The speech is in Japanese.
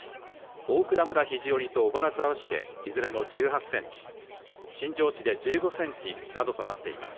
大蔵村肘折と尾花沢市でいずれも１８センチ新庄市で１５センチなどとなっています。